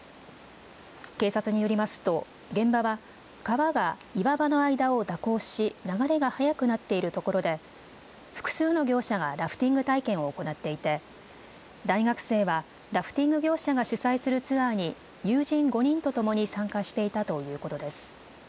警察によりますと現場は川が岩場の間を蛇行し流れが速くなっているところで複数の業者がラフティング体験を行っていて大学生はラフティング業者が主催するツアーに友人５人とともに参加していたということです。